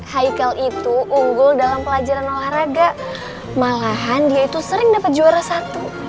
hicle itu unggul dalam pelajaran olahraga malahan dia itu sering dapat juara satu